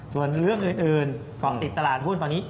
ส่วนเรื่องอื่นเกาะติดตลาดหุ้นตอนนี้